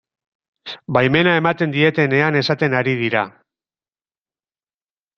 Baimena ematen dietenean esaten ari dira.